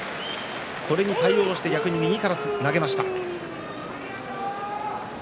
これに対応して逆に右から投げました。